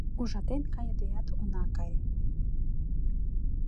Ужатен кайыдеят она кае.